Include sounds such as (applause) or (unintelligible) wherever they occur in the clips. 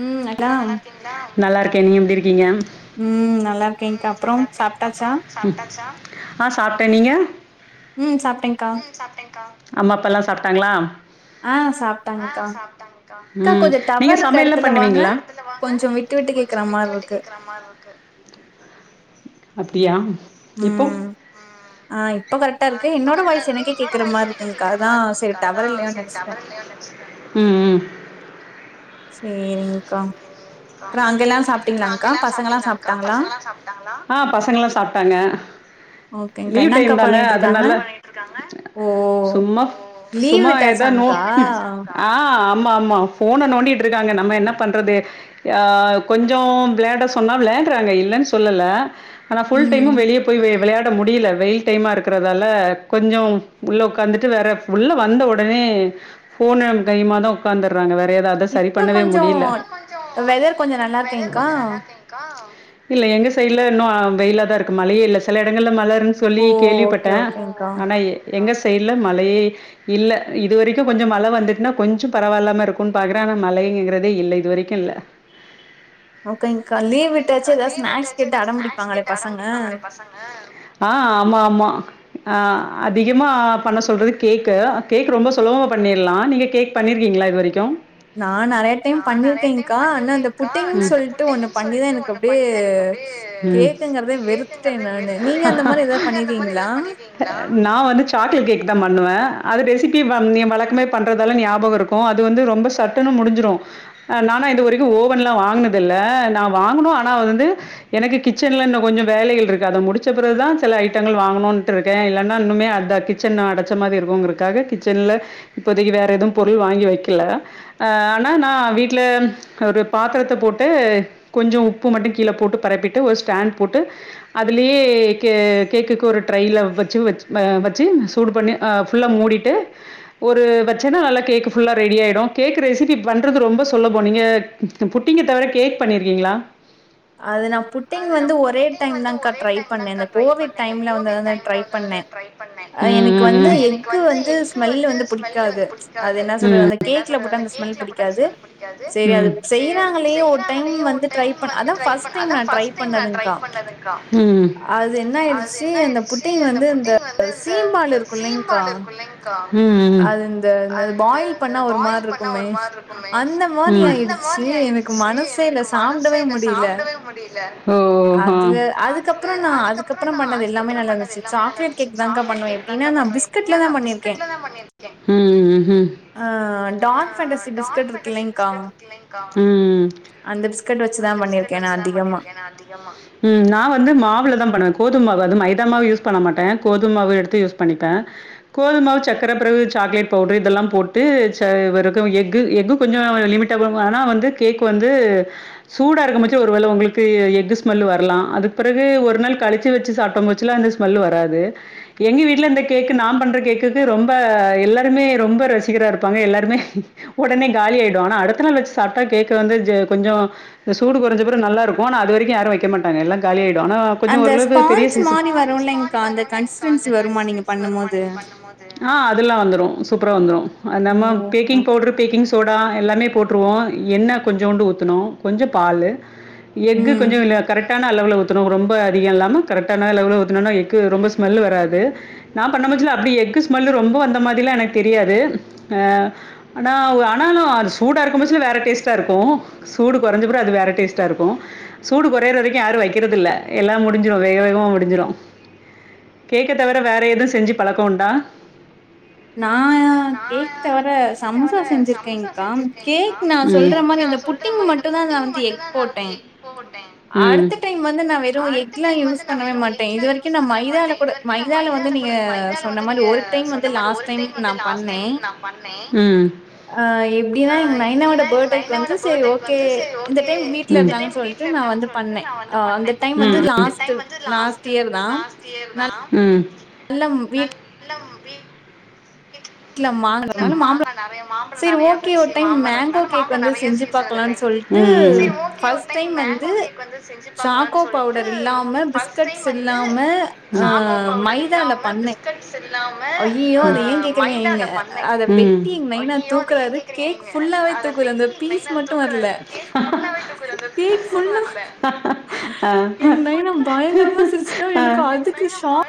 உம் எல்லாம் நல்லாருக்க நீங்க எப்படி இருக்கீங்க உம் நல்லா இருக்கேங் ஆ சாப்ட்ட நீங்க உம் சாப்ட்டேங்கா அம்மா அப்பாலாம் சாப்ட்டாங்களா ஆ சாப்ட்டாங்க்கா கா ம் கொஞ்சோ நீங்க டவர் இருக் சமையல்லாம் எடத்துல வாங்க பண்ணுவீங்களா கொஞ்சோ விட்டு விட்டு கேக்குற மாருக்கு அப்டியா உம் ஆ கரெக்டா இருக்கு ஆஹ் இப்போ என்னோட கரெக்டா வாய்ஸ் இருக்கு எனக்கே என்னோட கேக்குற வாய்சு மாரி எனக்கே இருக்குங்க்கா கேக்கற அதா மாதிர செரி இருக்குங்க்கா டவர் அதான் இல்லயோன்னு சரி நெனச்சிட்டே டவறு இல்லையோனு நினச்சு ம் உம் செரிங்க்கா சாப்ட்டாங்களா ஆ பசங்கலா சாப்ட்டாங்க ஓகேங்க்கா என்னங்கா பண்ணிட்டுரு அத நல்ல சும்மா லீவ் சும்மா ஏத நோ விட்டாச்சாங்க்கா ஆ ஆமா ஆமா ஃபோன நோண்டிட்டுருக்காங்க நம்ம என்ன பண்றது ஆ கொஞ்சோ விளாட சொன்ன விளா ராங்க இல்லன்னு சொல்லல ஆனா ஃபுல் ம் டைமும் வெளியே போய் விளையாட முடியல வெயில் டைமா இருக் ரதால கொஞ்சோ உள்ள உட்காந்துட்டு வேற உள்ள வந்த உடனே ஃபோன் கையுமா மடோ உட்காந்தறாங்க வே தேதா அதா சரி இப்ப பண்ணவே கொஞ்சோ முடியல வெதர் கொஞ்சோ நல்லா இருக்கேங்க்கா இல்ல எங்க சைடு இல்ல இன்னு வெயில தான் இருக்கு மழையே இல்ல சில இடங்கள்ல மழ இருன்னு சொல்லி ஓ கேள்விப்பட்ட ஓகே ஓகேங்க்கா ஆனா எங்க சைடல மழையே இல்ல இது வரைக்கும் கொஞ்சோ மழ வந்துட்டுன்னா கொஞ்சோ பரவால்லாம இருக்கும் பா்கற அனா மலைங்கிறதே இல்ல இதுவரைக்கும் இல்ல ஓகேங்கா லீவ் விட்டாச்சு ஏதாவது ஸ்நாக்ஸ் கேட்டு அட புடிப்பாங்களே பசங்க ஆ ஆமா ஆமா ஆ அதிகமா பண்ண சொல்றது கேக் கேக் ரொம்ப சுலபமா பண்ணிரலாம் நீங்க கேக் பண்ணிருக்கீ ங்களா இது வரைக்கும் நான் நறைய டைம் பண்ணிருக்கேங்க்கா ஆனா அந்த புட்டிங்கன்னு சொல்லிட்டு ஒன்னு பண்ணிதான் எனக்கு அப்படியே கேக்குங்கிறதே வெறுத்துட்ட நானு நீங்க அந்த மாரி ஏதாது பண்ணீருக்கிங்கிளா நா வந்து சாக்லேட் கேக்தா பண்ணுவேன் அது ரெசிபி நீ வழக்கமே பண்றதால ஞாபகம் இருக்கும் அது வந்து ரொம்ப சட்டுனு முடிஞ்சிடும் நானா இது வரைக்கும் ஓவன்லாம் வாங்குனது இல்ல நா வாங்கனும் ஆனா வந்து எனக்கு கிச்சன்ல இன்னு கொஞ்சம் வேலைகள் இருக்கு அத முடிச்ச பிறகுதா சில ஐட்டங்கள் வாங்க டுருக்கேன் இல்லன்னா இன்னுமே அட‌ கிச்சன் அடச்ச மாதி இருக்கும்கறத்துக்காக கிச்சன்ல இப்போதைக்கு வேற ஏதும் பொருள் வாங்க வாங்கி வைக்கல ஆ ஆனா நா வீட்டில் ஒரு பாத்திரத்த போட்டு கொஞ்சோ உப்பு மட்டும் கீழே போட்டு பரப்பிட்டு ஒரு ஸ்டாண்ட் போட்டு அதுலேயே கேக் கேக்குக்கு ஒரு ட்ரேல வச்சு வச் வச்சு சூடு பண்ணி ஃபுல்லா மூடிட்டு ஒரு வச்சேன்னா நல்லா கேக் ஃபுல்லா ரெடி ஆயிடும் கேக் ரெசிபி பண்றது ரொம்ப சுலபம் நீங்க புட்டிங்க தவிர கேக் பண்ணிருக்கீங்களா அது நா புட்டிங் வந்து ஒரே டைம் தான்கா ட்ரை பண்ணேன் இந்த கோவிட் டைம்ல வந்து அதுல ட்ரை பண்ணேன் ம், எனக்கு ம், அ வந்து ம். எக்கு வந்து ஸ்மெல் வந்து புடிக்காது அது என்ன சொல் ம், அந்த கேக்ல போட்ட அந்த ஸ்மெல் பிடிக்காது சரி ம், செய்யறாங்களே ஒரு டைம் வந்து ட்ரை பண்ணே அதான் ஃபஸ்ட் டைம் நா ட்ரை பண்ணதுங்க்கா ம். அது என்ன ஆயிடுச்சு அந்த புட் ட்டிங் வந்து இந்த சீம்பால் இருக்குல்லைங்க்கா ம், ம், அது இந்த பாயில் பண்ணா ஒரு மாறிருக்குமே அந்த மாரி ம். ஆயிடுச்சு எனக்கு மனசே இல்ல சாப்டவே முடில ஓ! ஆ. அது அதுக்கப்புறம் நா அதுக்கப்புறம் பண்ணது எல்லாமே நல்லாந்துச்சு சாக்லேட் கேக் தான்கா பண்ணுவே எப்டினா நா பிஸ்கெட்ல தா பண்ணிருக்கே ம், ம். அ டார்க் ஃபேண்டசி பிஸ்கெட்ருக்கில்லைங்க்கா ம் வச்சுதா பண்ணிருக்கே நா அதிகமா ம் நா வந்து மாவுலதா பண்ணுவே கோதும் மா வ் அது மைதாமாவு யூஸ் பண்ண மாட்டே கோதுமாவு எடுத்து யூஸ் பண்ணிப்பே கோதுமாவு சக்கர பறவு சாக்லேட் பவு பவுட்ரு இதெல்லா போட்டு ச வெற க எஃகு எஃகு கொஞ்சு வ லிமிட்டாவுவு ஆனா வந்து கேக் வந்து ஹ்அ சூடா இருக்கும்பச்சு ஒரு வேல உங்களுக்கு எஃகு ஸ்மெல்லு வரலா அதுக் பிறகு ஒரு நாள் கழிச்சு வெச்சு சாப்ட்டம்வச்சுல்ல அ ஸ்மெல்லு வராது எங்க வீட்ல இந்த கேக்கு நா பண்ற கேக்குக்கு ரொம்ப எல்லாருமே ரொம்ப ர சிகரா இருப்பாங்க எல்லாருமே ஒடனே காலி ஆயிடு ஆனா அடுத்த நாள் வெச்சு சாப்ட்டா கேக்கு வந்து ஜ கொஞ்சோ இந்த சூடு கொறஞ்சப்பறோ நல்லாருக்கு ஆனா அது வெரிக்கு யாரு வெக்க மாட்டங்க எல்லா காலியாய் டு ஆனா கொஞ்சு அந்த ஓரளவுக்கு பெரிய ஸ்பான்ச் சீசன் மாரி வரும்லைங்க்கா அந்த கன்சிஸ்டன்சி வருமா நீங்க பண்ணும் போது ஆ அதெல்லா வந்துரு சூப்பரா வந்துரு ஓ நம்ம okay baking okay powder baking soda எல்லாமே போட்ருவோ எண்ணெ கொஞ்சோண்டு ஊத்தணு கொஞ்ச பாலு எஃகு ம் கொஞ்சு இல்ல கரெட் டான அளவுல ஊத்தணு ரொம்ப அதிக இல்லாம கரெட்டான அளவுல ஊத்துணோனா எஃகு ரொம்ப ஸ்மெல்லு வராது நா பண்ணம் (unintelligible) அப்டி எஃகு ஸ்மெல்லு ரொம்ப வந்த மாரிலா எனக் தெரியாது அ ஆனா ஒ ஆனாலு சூடா இருக்கும் போத்சொல்ல வேற டேஸ்டா இருக்கு சூடு கொறஞ்சப்பற அது வேற டேஸ்டா இருக்கு சூடு கொறயற வரைக்கு யாரு வைக்கிறதில்ல எல்லா முடிஞ்சிடு வேக வேகமா முடிஞ்சிரு கேக்க தவிர வேற எது செஞ்சு பழக்கோ உண்டா நா கேக் தவிர சமோசா செஞ்சிருக்கேன்கா கேக் நா ம். சொல்ற மா மாரி அந்த புட்டிங் மட்டு தா நா வந்து எஃக் போட்டே ம். அடுத்த டைம் வந்து நா வெறு எக்ல்லா யூஸ் பண்ணவே மாட்டே இது வரிக்கு நா மைதலா கூட மைதாலா வ ந்து நீங்க சொன்ன மாரி ஒரு டைம் வந்து லாஸ்ட் டைம் நா பண்ணே ம். ஆ எப்டின்னா எங் நைனாவோட படேக் வந்து செரி ஓகே இந்த டைம் வீட்ல ம். இருந்தாங்கன் சொல் ட்டு வந்து நா வந்து பண்ணே அ அந்த டைம் ஆ வந்து ம், ம். லாஸ்ட்டு லாஸ்ட் இயரு தா நல் எல்லாம் வீட் ம் பி ட்ல மாங் அதானலா மாம்பழம் செரி ஓகே ஒரு டைம் மேங்கோ கேக் வந்து செஞ்சு பாக் க்கலான் சரி சொல்ட்டு ம் ஃபஸ்ட் டைம் வந்து சாக்கோ பவுடர் இல்லாம பிஸ்கட்ஸ் இல்லாம ஆ மைதால பண்ணே பிஸ்கட்ஸ் இல்லாம ஐயயோ அத ஏ ஆ கேக்குறீங்க எங்க தால பண்ணே அத வெட்டி எங்க நைனா அய்யியோ அது ஏ தூக்குறாரு கேக்குறீங்ங்க கேக் நீங்க ஃபுல்லாவே அது தூக்குது அந்த பெக்கிங் பீஸ் மைதா மட்டு வரல தூக்காது கேக்கு உள்ள கேக் ஃபுல்லா வை எங்க நைனா பயங்கரமா சிரிச்சுட்டா அ எனக்கு அ அதுக்கு ஷாக்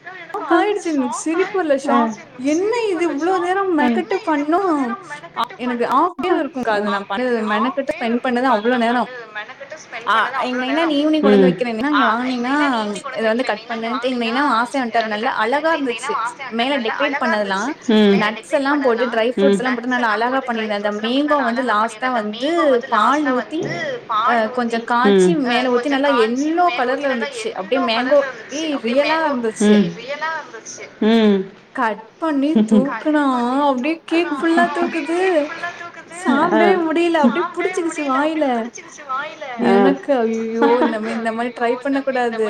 அதா எனக்கு அதுக்கு ஆயிடுச்சு எனக்கு ஷாக்காய் சிரிப்பு இல்ல ஷாக் சி என்ன சிரிப்பு இது வர்ல இவ்ளோ ஷாக் நேரோ மெனக்கெட்டு என்ன இது பண்ணு இவ்ளோ நேரமா மெனக்கட்டு எனக்கு பண்ணோமா ஹாஃப் டே இருக்குக்கா அது அ நா பண்ணது எனக்கு மெனக்கெட்டு ஆஃப்டேவ் ஸ்பெண்ட் பண்ணது இருக்குங்க்கா அது அவ்ளோ நா நேரோ பண்ணது மெனக்கெட்டு ஸ்பெண் ஆ பண்ணது எங்க அவ்ளோ நைனா நேரோ நீ ஈவினிங் கொண்டு வந்து வைக்கிறேன்னா அ நீங்க ஐ வாங்குனீங்கன்னா மெயினா இந் ஈவ்னிங் இத கொண்ட்வந்து வந்து வெக்குறே கட் மெயினா நீங் பண்ணுன்ட்டு எங்க வாங்னீங்னா நைனா ஆசையா இத வன்ட்டாரு வந்து நல்லா கட் பண்ணு அழகா தென் மெய்னா இருந்துச்சு அவ ஆசயா மேல (unintelligible) டெக்கரேட் அழகா பண்ணதெல்லா இருந்துச்சு மேல நட்ஸ் டெக்ரேட் எல்லா போட்டு பண்ணதுலா ட்ரை ஃப்ரூட்ஸ் எல்லா போட்டு நட்ஸ் நல்லா அழகா ட்ஸெல்லாபோட்டு பண்ணிருந்தே அந்த ட்ரைஃப்ரூட்ஸுலா போட்டு மேங்கோ நல்ல வந்து அழகா பண்ணிரு லாஸ்ட்டா ருந்த அந்த மேங்கோ வந்து பால் லாஸ்ட ஊத்தி வந்து அ பால் ஊத்தி கொஞ்சோ காய்ச்சி அ மேல ஊத்தி கொஞ்ச நல்லா காச்சி எல்லோ மேல ஊத் தி கலர்ல நல்லா இருந்துச்சு எல்லோ அப்டியே மேங்கோ கலர்ல அப்டியே இருந்துச்சு அப்டே ரியலா மேங்கோ இருந்துச்சு ரியலா இருந்துச்சு கட் பண்ணி தூக்குனா அப்டே கேக் ஃபுல்லா தூக்குது சாப் ஆ டவே முடியில அப்டே புடிச்சுக்கிச்சு வாய்ல ஆ எனக்கு ஐயயோ நம்ம இந்த மாரி ட்ரை பண்ண கூடாது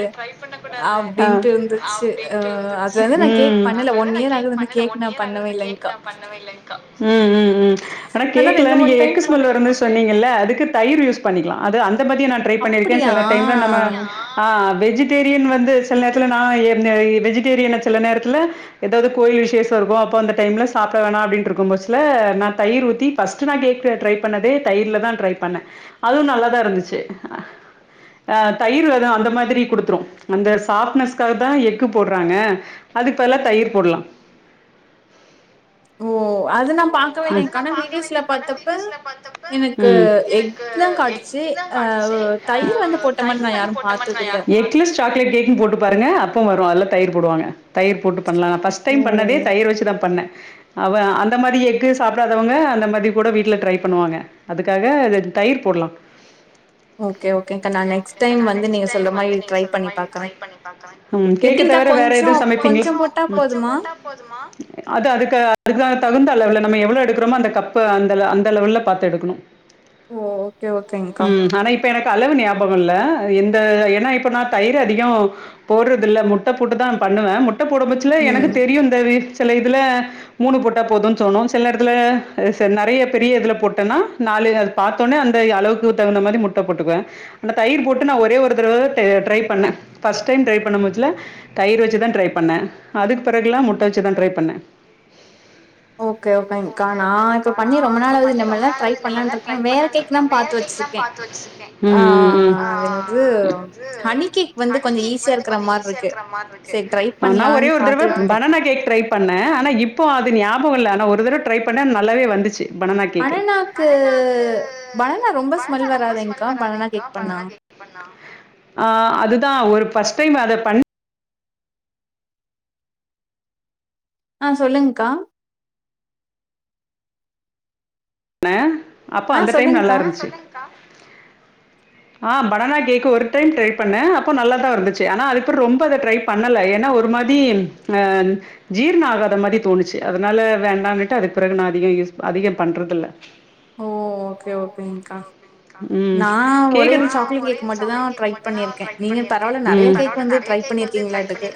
அப்டின்ட்டு இருந்துச் து அ அத்லெந்து நா கேக் பண்ணல ஒன் இயர் ஆகுது ந கேக் நா பண்ணவே இல்லேங்கா ம் ம் ம் ஆனா கேக்குல நீங்க டைம் எக்கு ப ஸ்மெல்லு வருது சொன்னீங்கல அதுக்கு தயிர் யூஸ் பண்ணிக்லா அது அ ந்த பதியு நா ட்ரை பண்ணிருக்கே அப்டியா செல டைம்ல நம்ப அ வெஜிடேரியன் வந்து சில நேரத்துல நா என்னெ வெஜிடேரியன சில நேரத்துல எதாவுது கோயில் விஷேச இருக்கு அப்போ அந்த டைம்ல சாப்ட வேணா அப்டின்ருக்கு போச்சில நா தயிர் ஊத்தி ஃபஸ்ட் நா கேக் ட் ட்ரை பண்ணதே தயிர்ல தா ட்ரை பண்ணே அதுவு நல்லாதா இருந்துச்சு அ தயிர் அதா அந்த மாதிரி குடுத்துரு அந்த சாஃப்ட்னஸ்க்காகத்தா எக்கு போடறாங்க அதுக் பதிலா தயிர் போடலா ஓ அது நம் பாக்கவே இல்லேங்க்கா ஆனா வீடியோஸ்ல பாத்தப்ப எனக்கு எக்தா காட்டுச்சு அ தயிர் வந்து போட்ட மாரி நா யாரு பாத்ததில்ல எக்லஸ் சாக்லேட் கேக்னு போட்டு பாருங்க அப்ப வரு அதுல தயிர் போடுவாங்க தயிர் போட்டு பண்லா நா ஃபர்ஸ்ட் ஓ! டைம் பண்ணதே தயிர் வச்சுதா பண்ண அவ அந்த மாரி எக் கு சாப்டாதவங்க அந்த மாரி கூட வீட்ல ட்ரை பண்ணுவாங்க அதுக்காக அது தயிர் போடலா ஓகே ஓகேங்க்கா நா நெக்ஸ்ட் டைம் வந்து நீங்க சொல்ற மாரி ட்ரை பண்ணி பாக்குறே ம் கேக்க எப்டிங்க்கா தவர வேற எது கொஞ்சோ சமைப்பிங்ளா கொஞ்சோ போட்டா ம் போதுமா அது அதுக்கு அதுக்கு தகுந்தள வுல நம்ம எவ்ள எடுக்கறமோ அந்த கப்பு அந்த அந்த லெவல்ல பாத்து எடுக்கணு ஓ ஓகே ஓகேங்க்கா ம் ஆனா இப்ப எனக்கு அளவு ஞாபக இல்ல இந்த ஏனா இப்ப நா தயிர் அதிக போடறது இல்ல முட்ட போட்டுதா பண்ணுவே முட்ட போடம்பச்சில எனக்கு ம் தெரியு இந்த செல இதுல மூணு போட்டா போதுன் தோணு சில நேரத்தில‌ ச நறைய பெரிய இதுல போட்டனா நாலு பாத்தோனே அந்த அளவுக்கு தகுந்த அந்த மாரி முட்டை போட்டுக்குவே தயிர் போட்டு நா ஒரே ஒரு தடவதா ட் ட்ரை பண்ண ஃபர்ஸ்ட் டைம் ட்ரை பண்ணும் போதுல தயிர் வச்சுதா ட்ரை பண்ணே அதுக்கு பிறகெல்லா முட்டை வச்சுதா ட்ரை பண்ணே (inaudible) ஓகே ஓகேங்க்கா நா இப்ப பண்ணி ரொம்ப நாளாவுது இனிமேல் தா ட்ரை பண்லான்ட்ருக்கே வேற கேக்தா பாத்து வச் சிருக்கே ம் ஆ ம் ம். அதென்னது ஹனிகேக் வந்து கொஞ்ச ஈஸியா இருக்றா மா நா ஒரே ஒரு தடவ பாத்துட்ருக்கே பனானா கேக் ட்ரை பண்ணே ஆனா இப்போ அது ஞாப ரொம்ப வல்ல ஆனா ஒரு தடவ ட்ரை பண்ணே நல்லாவே வந்துச்சு பனானா கேக்கு பனானாக்கு பனானா ரொம்ப ஸ்மெல் வராதேன்க்கா பனானா கேக் பண்ணா ஆ அதுதா ஒரு ஃபஸ்ட் டைம் அத பண் ஆ சொல்லுங்க்கா ண அப்ப ஆ அந்த டைம் சொல்லுங்க்கா நல்லாருந்ச்சு ஆ பனானா கேக் ஒரு டைம் ட்ரை பண்ண அப்போ நல்லாதா வந்துச்சு ஆனா அதுக்கப்ற ரொம்ப அத ட்ரை பண்ணல ஏனா ஒரு மாதி ஆ ஜீர்ண ஆகாத மாரி தோணுச்சு அதனால வேண்டானுட்டு அதுக்கு பிறகு அதிக யூஸ் அதிக பண்றதில்ல ஓ ஓகே ஓகேங்க்கா ம் நா ஒரே கேக்க சாக்லேட் கேக் மட்டுந்தா ட்ரை ம் பண்ணிருக்கே நீங்க பரவால்ல நெறைய கேக் வந்து ட்ரை பண்ணிருக்கீங்களாட்டுக்கு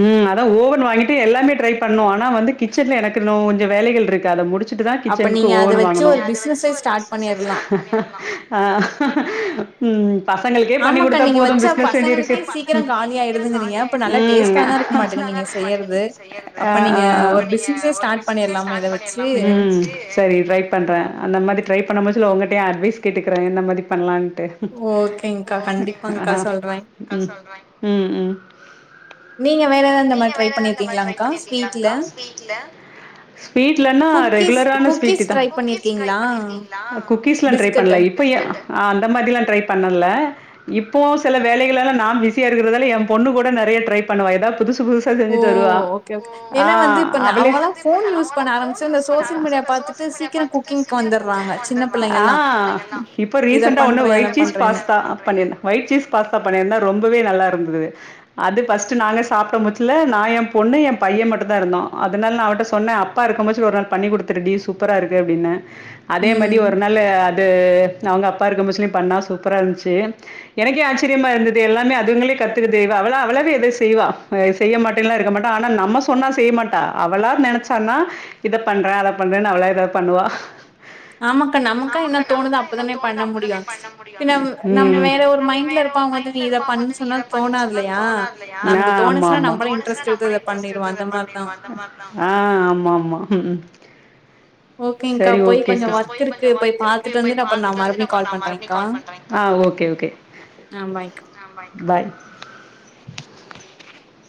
ம் அதா ஓவன் வாங்கிட்டு எல்லாமே ட்ரை பண்ணோ ஆனா வந்து கிச்சன்ல எனக்கின்னோ கொஞ்ச வேலைகள் இருக்கு அத முடிச்சு ட்டுதா அப்ப கிச்சனுக்கு நீங்க அத ஓவன் வச்சு வாங்கனு ஒரு பிசினஸே ஸ்டார்ட் பண்ணிர்லா ம் பசங்களுக்கே பண்ணி ஆமாக்கா குடுத்தா நீங்க போது வச்சா பிசினஸ் எங்கிருக்கு பசங்களுக்கே சீக்கிரம் காலி ஆயிடுதுங்கிறீங்க அப்ப நல்லா ம் டேஸ்டா தான் இருக்க மாட்டேங்குது நீங்க செய்யறது ஆ அப்ப ஆ நீங்க ஆ ஒரு பிசினஸே ஸ்டார்ட் பண்ணிடலாமா இத வச்சு ம் சர் ட்ரை பண்றே அந்த மாரி ட்ரை பண்ண மொச்சுல உங்கட்டயு அட்வைஸ் கேட்டுக்கற என்ன மாரி பண்லான் ட்டு ஓகேங்க்கா கண்டிப்பாங்க்கா சொல்றேன் ம் ம் நீங்க வேற எதா இந்த மாரி ட்ரை பண்ணிருக்கிங்ளாங்க்கா ஸ்வீட்ல ஸ்வீட்லனா குக்கீஸ் ரெகுலரான குக்கீஸ் ஸ்வீட்டுதா ட்ரை பண்ணிருக்கீங்களா குக்கீஸ்லா ட்ரை பிஸ்கட் பண்ல இப்போ அந்த மாரிலா ட்ரை பண்ணல இப்போ செல வேலைகளால நா பிஸியா இருக்கிறதால எம் பொண்ணு கூட நறைய ட்ரை பண்ணுவா எதாது புதுசு புதுசா ஓ செஞ்சுட்டு வருவா ஓகே ஓகே ஆ ஏன்னா வந்து இப்ப ந- அவளே அவங்கெல்லாம் ஃபோன் யூஸ் பண்ண ஆரம்பிச்சு இந்த சோஷியல் மீடியா பார்த்துட்டு சீக்கிரம் குக்கிங்க்கு வந்துடுறாங்க சின்ன பிள்ளைங்க ஆ எல்லாம் இப்போ இதை ரீசெண்ட்டா ஒன்னு பண்றேன் அதை ஒயிட் சீஸ் பண்றேன்னு பாஸ்தா பண்ணி ஒயிட் சீஸ் பாஸ்தா பண்ணிருந்தா ரொம்பவே நல்லா இருந்துது அது ஃபர்ஸ்ட் நாங்க சாப்பிட மொச்சுல நா எம் பொண்ணு எம் பைய மட்டுந்தா இருந்தோ அத னால நா அவகிட்ட சொன்ன அப்பா இருக்கும் போச்சி ஒரு நாள் பண்ணி குடுத்துருடி சூப்பரா இருக்கு அப்டினு அதே மாதி ம் ஒரு நாள் அது அவுங்க அப்பா இருக்கம்போச்சிலயு பண்ணா சூப்பரா இருந்துச்சி எனக்கே ஆச்சரியமா இருந்தது எல்லாமே அதுங்களே கத்துகுது செய்வா அவளா அவளாவே எதை செய்வா செய்ய மாட்டேன்லா இருக்க மாட்டா ஆனா நம்ம சொன்னா செய்ய மாட்டா அவளா நெனச்சா ன்னா இத பண்றே அத பண்றேன்னு அவளா ஏதாது பண்ணுவா ஆமாக்கா நமக்கா என்ன தோணுதோ அப்பதானே பண்ண முடியு பின்ன ஏன்னா நம்ம ம் வேற ஒரு மைண்ட்ல இருப்போ அவுங்க வந்து நீ இத பண்ணுன்னு சொன்னா தோணாதுல்லையா நமக்கு ஆமா தோணுச்சுன்னா ஆமா நம்மளும் இன்ட்ரெஸ்ட் எடுத்து இத பண்ணிருவோம். அந்த மாரிதான். ஆ ஆமா ஆமா ஓகேங்கா போய் கொஞ்சோ ஒர்க் இருக்கு போய் பாத்துட்டு வந்துட்டு அப்பறோ நா மறுபடியு கால் பண்றேன்கா ஆ ஓகே ஓகே ஆ பாய்க்கா பாய்